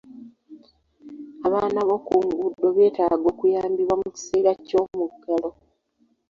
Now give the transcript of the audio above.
Abaana b'oku nguudo beetaaga okuyambibwa mu kiseera ky'omuggalo.